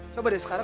coba deh sekarang